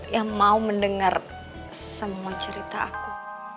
yang mau mendengar semua cerita aku